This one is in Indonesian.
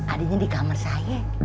adanya di kamar saya